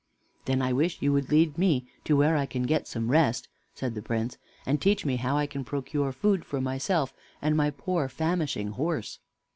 "Then I wish you would lead me to where I can get some rest," said the Prince, "and teach me how I can procure food for myself and my poor famishing horse."